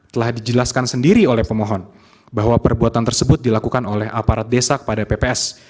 telah dijelaskan sendiri oleh pemohon bahwa perbuatan tersebut dilakukan oleh aparat desa kepada pps